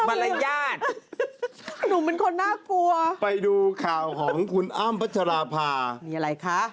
มารยาทหนูเป็นคนน่ากลัวไปดูข่าวของคุณอ้ำพัชราภามีอะไรคะ